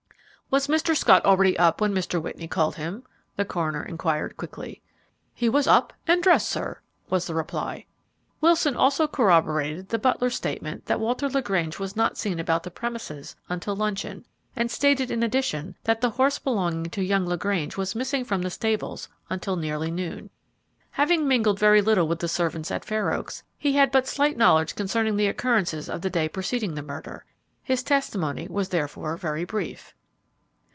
"Was Mr. Scott already up when Mr. Whitney called him?" the coroner inquired, quickly. "He was up and dressed, sir," was the reply. Wilson also corroborated the butler's statement that Walter LaGrange was not seen about the premises until luncheon, and stated, in addition, that the horse belonging to young LaGrange was missing from the stables until nearly noon. Having mingled very little with the servants at Fair Oaks, he had but slight knowledge concerning the occurrences of the day preceding the murder. His testimony was therefore very brief.